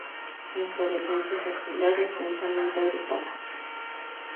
Inflorescencias axilares y densamente agrupadas.